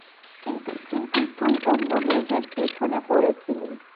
কিন্তু তুই অন্য মেয়েদের পেছনে পড়েছিলি।